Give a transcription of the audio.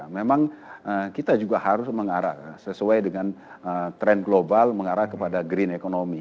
memang kita juga harus mengarah sesuai dengan tren global mengarah kepada green economy